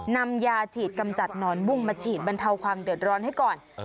นำยาฉีดกำจัดหนอนบุ้งมาฉีดบรรเทาความเดือดร้อนให้ก่อน